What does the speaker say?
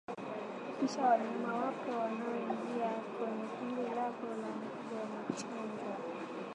Hakikisha wanyama wapya wanaoingia kwenye kundi lako la mifugo wamechanjwa